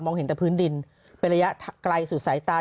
เห็นแต่พื้นดินเป็นระยะไกลสุดสายตา